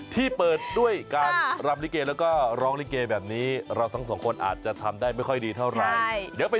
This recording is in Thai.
ที่เปิดด้วยการรำลิเกแล้วก็ร้องลิเกแบบนี้เราทั้งสองคนอาจจะทำได้ไม่ค่อยดีเท่าไหร่